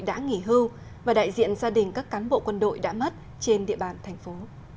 đã nghỉ hưu và đại diện gia đình các cán bộ quân đội đã mất trên địa bàn thành phố